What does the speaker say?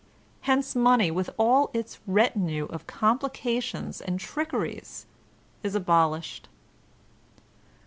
Hence money with all its retinue of complications and trickeries is abolished.